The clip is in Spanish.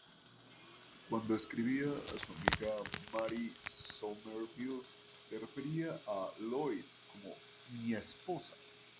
Cuando escribía a su amiga Mary Somerville se refería a Lloyd como 'mi esposa'.